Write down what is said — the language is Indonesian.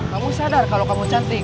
kamu sadar kalau kamu cantik